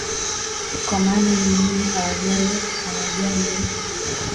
kwa maana nyingine hawajali hawajali ee